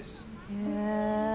へえ。